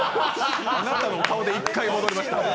あなたのお顔で一回戻りました。